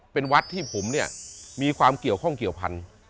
เป็นวัดที่ผมเนี่ยมีความเกี่ยวข้องเกี่ยวพันธุ์